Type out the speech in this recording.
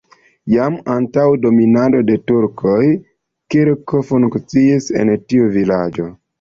Jam antaŭ dominado de turkoj kirko funkciis en tiu vilaĝo.